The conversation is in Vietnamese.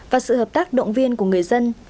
và sự hợp tác động viên của người dân